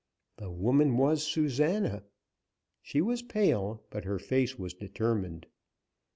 The woman was Susana. She was pale, but her face was determined.